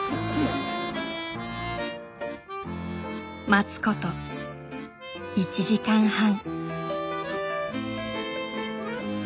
待つこと１時間半。